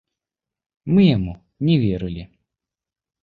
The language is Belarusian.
Мы яму не верылі.